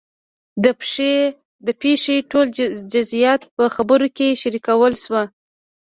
د پېښې ټول جزیات په خبرو کې شریکولی شو.